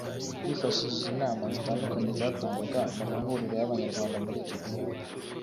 bifashishije inama zitandukanye zatangwaga mu mahuriro y’Abanyarwanda muri icyo gihugu